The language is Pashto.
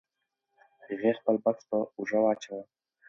هغې خپل بکس په اوږه واچاوه.